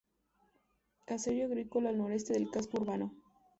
Caserío agrícola al noreste del casco urbano.